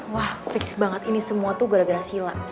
wah fix banget ini semua tuh gara gara sila